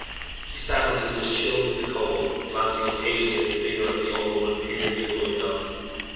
He sat until he was chilled with the cold, glancing occasionally at the figure of the old woman peering through the window.